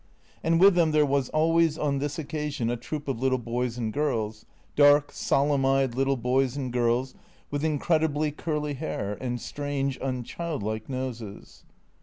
And w4th them there was always, on this occasion, a troop of little boys and girls, dark, solemn eyed little boys and girls, with incredibly curly hair, and strange, unchildlike noses.